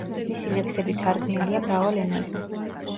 მისი ლექსები თარგმნილია მრავალ ენაზე.